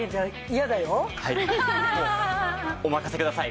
お任せください！